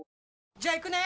じゃあ行くね！